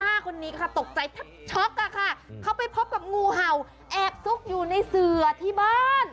คนนี้ค่ะตกใจแทบช็อกอ่ะค่ะเขาไปพบกับงูเห่าแอบซุกอยู่ในเสือที่บ้าน